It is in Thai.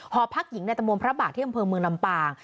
หอพักหญิงในตะมนต์พระบาทที่อำเภอเมืองลำปาง